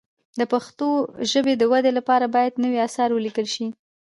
د پښتو ژبې د ودې لپاره باید نوي اثار ولیکل شي.